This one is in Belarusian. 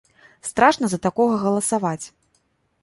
Страшна за такога галасаваць.